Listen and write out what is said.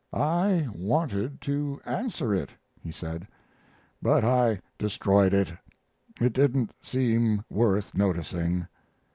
"I wanted to answer it," he said; "but I destroyed it. It didn't seem worth noticing."